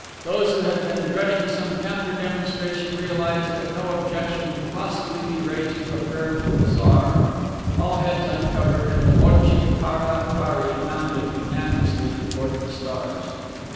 Those who had been dreading some counter demonstration realized that no objection could possibly be raised to a prayer for the Tsar. All heads uncovered and the Bodje Taara Krari mounted, unanimously, toward the stars.